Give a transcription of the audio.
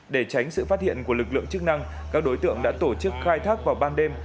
để tránh sự phát hiện của lực lượng chức năng các đối tượng đã tổ chức khai thác vào ban đêm